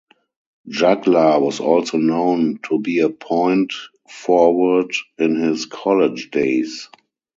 Jagla was also known to be a point forward in his college days.